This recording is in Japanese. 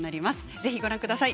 ぜひご覧ください。